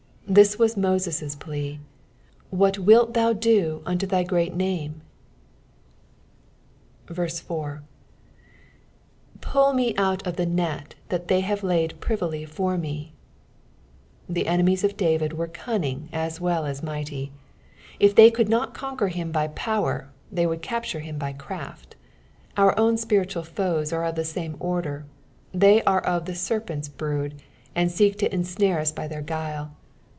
This was Moses' plea, " What wilt thou do unto th; great name 1" 4. " J^uU me oat of the net that they haze Uiid pritilg for me," The rnemies of David were cunning as well as mightj ; it thej eould nut conquer him ttj power, they would capture him by craft. Our own spiritual foes are of the same order — they are of the scrnvut's brood, and seek to ensnare us by their guile.